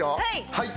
はい！